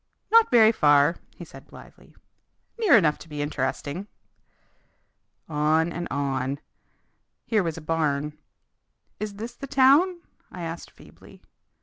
"Not very far," he said blithely. "Near enough to be interesting." On and on. Here was a barn. "Is this the town?" I asked feebly.